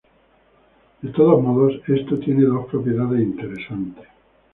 De todos modos, esto tiene dos propiedades interesantes.